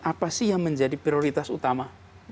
apa sih yang menjadi prioritas utama